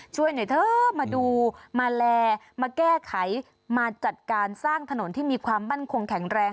ช่วยหน่อยเถอะมาดูมาแลมาแก้ไขมาจัดการสร้างถนนที่มีความมั่นคงแข็งแรง